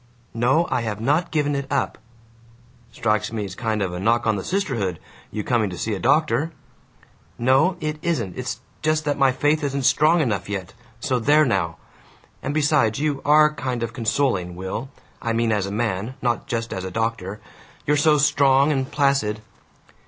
"No, I have not given it up!" "Strikes me it's kind of a knock on the sisterhood, your coming to see a doctor!" "No, it isn't. It's just that my faith isn't strong enough yet. So there now! And besides, you ARE kind of consoling, Will. I mean as a man, not just as a doctor. You're so strong and placid."